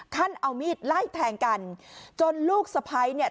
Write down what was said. ขั้นเอามีดไล่แทงกันจนลูกสะพ้ายเนี่ย